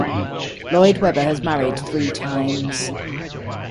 Lloyd Webber has married three times.